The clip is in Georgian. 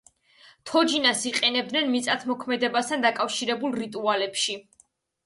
თოჯინას იყენებდნენ მიწათმოქმედებასთან დაკავშირებულ რიტუალებში.